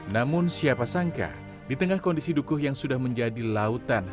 namun siapa sangka di tengah kondisi dukuh yang sudah menjadi lautan